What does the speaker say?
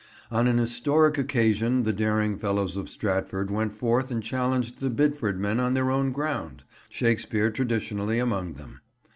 On an historic occasion the daring fellows of Stratford went forth and challenged the Bidford men on their own ground, Shakespeare traditionally among them.